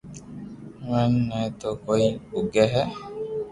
وڻ تي تو ڪوئي اوگي ھي